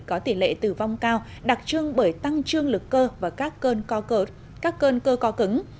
có tỷ lệ tử vong cao đặc trưng bởi tăng trương lực cơ và các cơn cơ co cứng